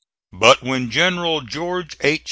But when General George H.